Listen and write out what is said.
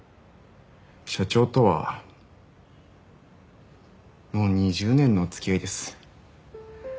社長とはもう２０年の付き合いです。